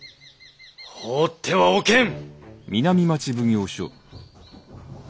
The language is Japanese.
放ってはおけん！